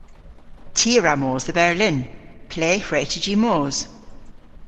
Ty a wra mos dhe Berlin. Ple hwre'ta jy mos?